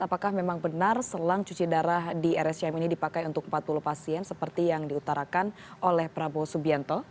apakah memang benar selang cuci darah di rscm ini dipakai untuk empat puluh pasien seperti yang diutarakan oleh prabowo subianto